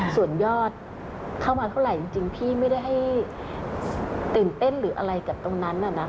ส่วนยอดเข้ามาเท่าไหร่จริงพี่ไม่ได้ให้ตื่นเต้นหรืออะไรกับตรงนั้น